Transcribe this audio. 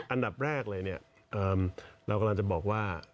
อันดับแรกเลยเนี่ยเรากำลังจะบอกว่า